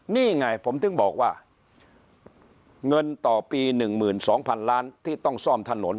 นี่ไงผมถึงบอกว่าเงินต่อปีหนึ่งหมื่นสองพันล้านที่ต้องซ่อมถนน